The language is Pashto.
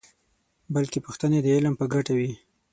بلکې پوښتنې د علم په ګټه وي.